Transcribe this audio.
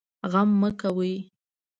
غم مه کوئ